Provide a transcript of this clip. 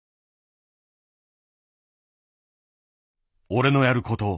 「俺のやること